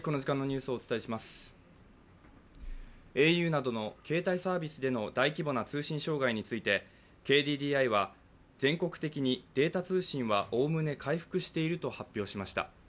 ａｕなどの携帯サービスでの大規模な通信障害についてＫＤＤＩは全国的にデータ通信はおおむね回復していると発表しました。